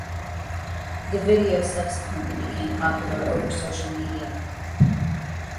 The video subsequently became popular over social media.